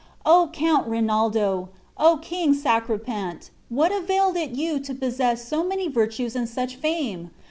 O Count Rinaldo, O King Sacripant! what availed it you to possess so many virtues and such fame?